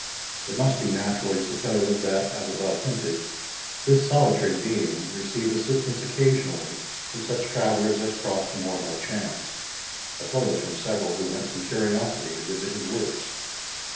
It must be naturally supposed, that, as above hinted, this solitary being received assistance occasionally from such travellers as crossed the moor by chance, as well as from several who went from curiosity to visit his works.